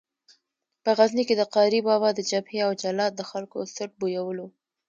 په غزني کې د قاري بابا د جبهې یو جلاد د خلکو څټ بویولو.